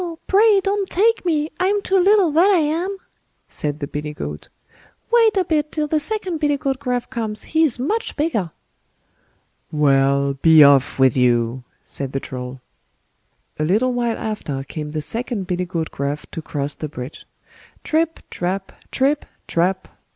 pray don't take me. I'm too little, that I am", said the billy goat; "wait a bit till the second billy goat Gruff comes, he's much bigger." "Well! be off with you", said the Troll. A little while after came the second billy goat Gruff to cross the bridge. "TRIP, TRAP! TRIP, TRAP! TRIP, TRAP!"